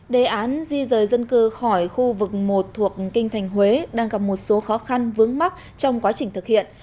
đề án di rời dân cư khỏi khu vực một thuộc kinh thành huế đang gặp một số khó khăn vướng mắt trong quá trình thực hiện